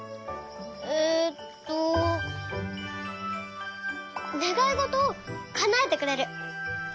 えっとねがいごとをかなえてくれる。